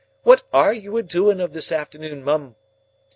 What ARE you a doing of this afternoon, Mum!"